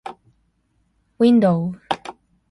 window